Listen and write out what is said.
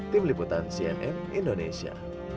tim liputan cnn indonesia